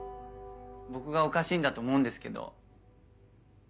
僕がおかしいんだと思うんですけど。